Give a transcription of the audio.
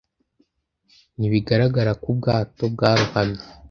Ntibigaragara ko ubwato bwarohamye.